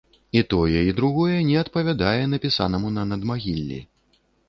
І тое, і другое не адпавядае напісанаму на надмагіллі.